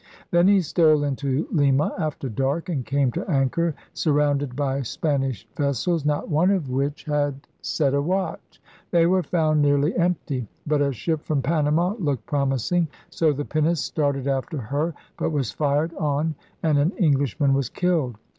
Then he stole into Lima after dark and came to anchor surrounded by Spanish vessels not one of which * ENCOMPASSMENT OF ALL THE WORLDS ' 131 had set a watch. They were found nearly empty. But a ship from Panama looked promising; so the pinnace started after her, but was fired on and an Englishman was killed.